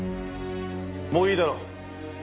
もういいだろう。